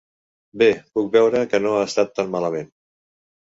Bé, puc veure que no ha estat tan malament.